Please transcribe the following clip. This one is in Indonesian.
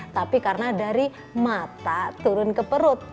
tapi karena dari mata turun ke perut